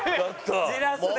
じらすね。